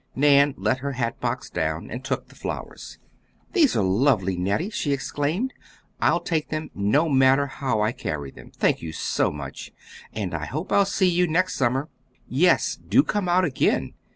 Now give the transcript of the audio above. Nan let her hatbox down and took the flowers. "These are lovely, Nettie," she exclaimed; "I'll take them, no matter how I carry them. Thank you so much, and I hope I'll see you next summer." "Yes, do come out again!"